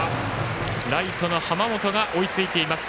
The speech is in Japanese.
ライトの濱本が追いついています。